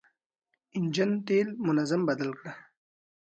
انجن تېل منظم بدل کړه.